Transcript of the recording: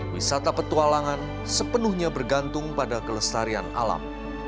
wisata petualangan sepenuhnya bergantung pada kelestarian alam